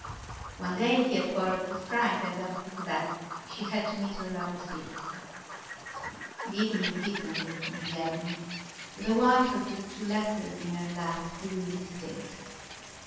One day he had quarrelled with Frank and after that she had to meet her lover secretly. The evening deepened in the avenue. The white of two letters in her lap grew indistinct.